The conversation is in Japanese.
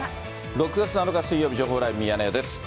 ６月７日水曜日、情報ライブミヤネ屋です。